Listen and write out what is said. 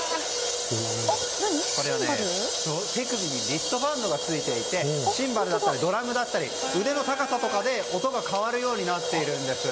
これは手首にリストバンドがついていてシンバルだったりドラムだったり腕の高さで音が変わるようになっているんです。